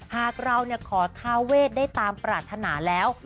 หากเราขอทาเวทได้ตามปรารถนาแล้ว